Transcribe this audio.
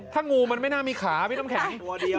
ถ้างูมันไม่น่ามีขาพี่น้ำแข็ง